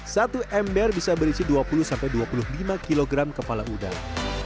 satu ember bisa berisi dua puluh dua puluh lima kg kepala udang